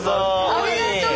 ありがとう。